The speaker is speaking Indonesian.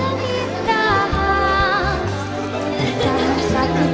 aku balasnya ke pindahan